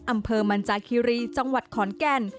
อำเภอมันจาคิรีจังหวัดขอนแก่น